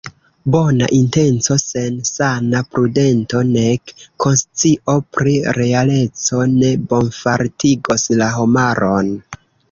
Bona intenco sen sana prudento, nek konscio pri realeco, ne bonfartigos la homaron.